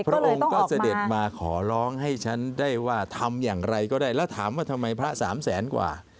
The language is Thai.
พระองค์ก็เสด็จมาขอร้องให้ฉันได้ว่าทำอย่างไรก็ได้แล้วถามว่าทำไมพระสามแสนกว่า